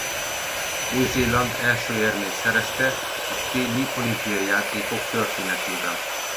Új-Zéland első érmét szerezte a téli olimpiai játékok történetében.